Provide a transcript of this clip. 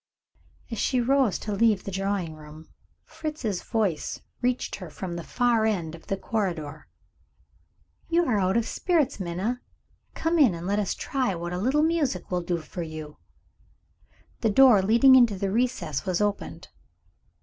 As she rose to leave the drawing room, Fritz's voice reached her from the far end of the corridor. "You are out of spirits, Minna. Come in, and let us try what a little music will do for you." The door leading into the recess was opened.